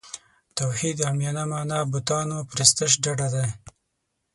توحید عامیانه معنا بوتانو پرستش ډډه دی.